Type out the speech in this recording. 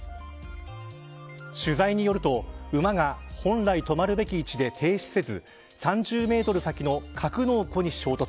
取材によると、馬が本来止まるべき位置で停止せず３０メートル先の格納庫に衝突。